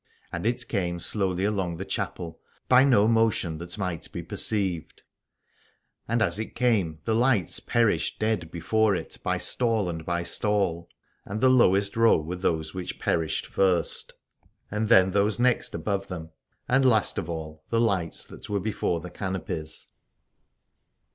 And it came slowly along the chapel, by no motion that might be perceived : and as it came the lights perished dead before it by stall and by stall. And the lowest row were those which perished first, and then those next above them : and last of all the lights that were before the canopies.